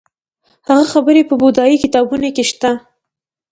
د هغه خبرې په بودايي کتابونو کې شته